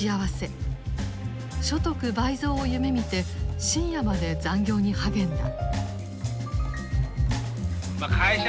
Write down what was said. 所得倍増を夢みて深夜まで残業に励んだ。